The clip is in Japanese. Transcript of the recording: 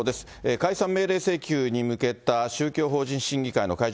解散命令請求に向けた宗教法人審議会の会場